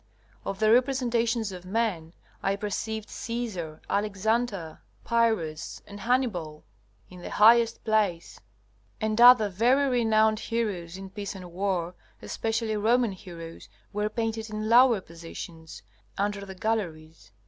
Of the representations of men, I perceived Caesar, Alexander, Pyrrhus, and Hannibal in the highest place; and other very renowned heroes in peace and war, especially Roman heroes, were painted in lower positions, under the galleries.